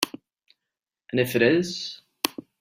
And if it is?